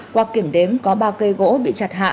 qua kiểm đếm có ba cây gỗ bị chặt hạ